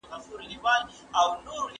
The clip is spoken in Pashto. ايا حضوري ټولګي د ملګرو سره اړیکي پیاوړې کوي؟